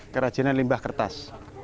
kerajinan limbah kertas